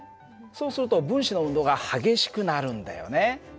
そうすると分子の運動が激しくなるんだよね。